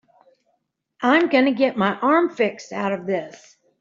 I'm gonna get my arm fixed out of this.